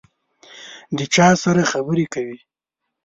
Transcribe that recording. د چا سره خبري کوې ؟